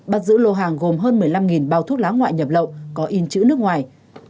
bắt giữ lô hàng gồm hơn một mươi năm bao thuốc lá ngoại nhập lậu có in chữ nước ngoài